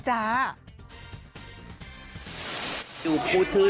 เจ้าลูกโป่งสีฟ้าเลย